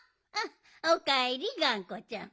おかえりがんこちゃん。